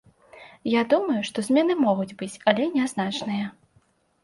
Я думаю, што змены могуць быць, але нязначныя.